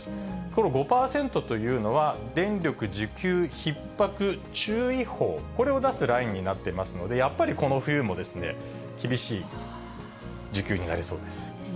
この５％というのは、電力需給ひっ迫注意報、これを出すラインになっていますので、やっぱりこの冬も厳しい需給になりそうです。